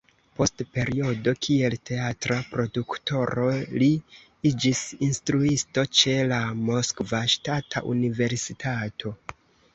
Post periodo kiel teatra produktoro, li iĝis instruisto ĉe la Moskva Ŝtata Universitato.